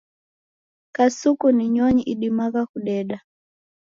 Kasuku ni nyonyi idimagha kudeda